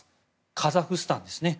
カザフスタンですね。